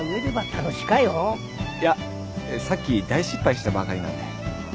いやさっき大失敗したばかりなんで。